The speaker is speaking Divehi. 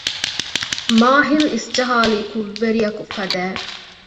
މާހިލް އިސްޖަހާލީ ކުށްވެރިއަކު ފަދައިން